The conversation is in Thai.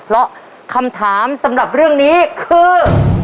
เพราะคำถามสำหรับเรื่องนี้คือ